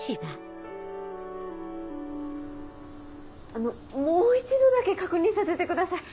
あのもう一度だけ確認させてください。